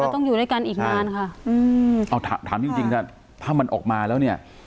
ต้องอยู่ด้วยกันอีกนานค่ะอืมเอาถามจริงจริงถ้ามันออกมาแล้วเนี่ย